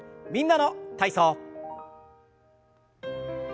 「みんなの体操」。